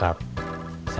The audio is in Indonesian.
saya kirim mesej sama siapa